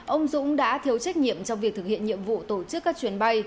ông dũng đã thiếu trách nhiệm trong việc thực hiện nhiệm vụ tổ chức các chuyến bay